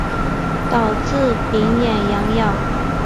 导致丙寅洋扰。